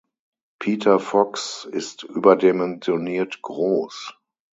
Peter Fox ist überdimensioniert groß.